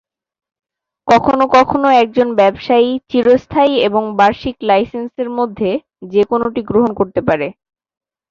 কখনো কখনো একজন ব্যবহারকারী চিরস্থায়ী এবং বার্ষিক লাইসেন্সের মধ্যে যে কোনটি গ্রহণ করতে পারে।